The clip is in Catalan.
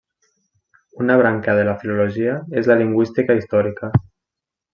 Una branca de la Filologia és la lingüística històrica.